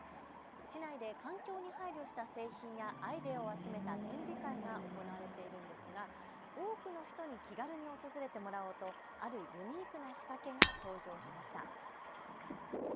市内で環境に配慮した製品やアイデアを集めた展示会が行われているんですが多くの人に気軽に訪れてもらおうとあるユニークな仕掛けが登場しました。